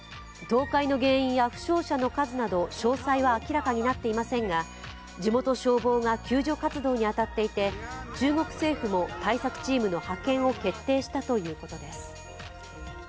倒壊の原因は負傷者の数など詳細は明らかになっていませんが地元消防が救助活動に当たっていて、中国政府も対策チームの派遣を決定したということです。